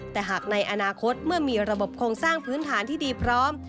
แต่หากในอนาคตเมื่อมีระบบโครงสร้างพื้นฐานที่ดีพร้อม